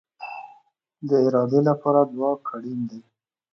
د ارادې لپاره ځواک اړین دی